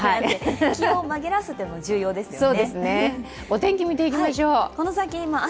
気を紛らわすというのも重要ですよね。